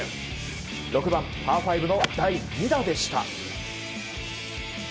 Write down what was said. ６番、パー５の第２打でした。